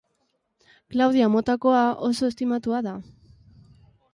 Klaudia motakoa oso estimatua da.